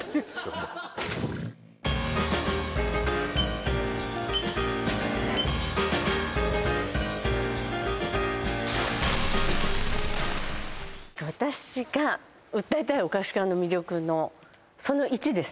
もう私が訴えたいお菓子缶の魅力のその１です